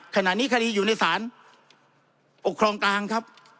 ขณะนี้คดีอยู่ในสารปกครองกลางครับ